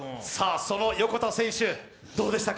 その横田選手、どうでしたか？